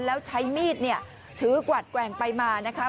แล้วใช้มีดเนี่ยถือกวัดแกว่งไปมานะคะ